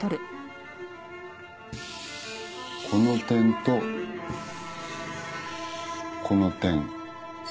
この点とこの点。